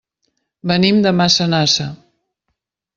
Venim de Massanassa.